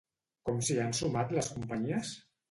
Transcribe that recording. Com s'hi han sumat les companyies?